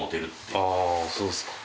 ああ、そうですか。